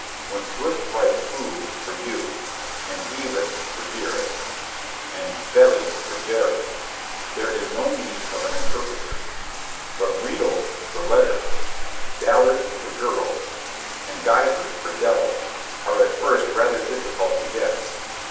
When Swift writes "oo" for "you," and "deelest" for "dearest," and "vely" for "very," there is no need of an interpreter; but "rettle" for "let ter," "dallars" for "girls," and "givar" for "devil," are at first rather difficult to guess.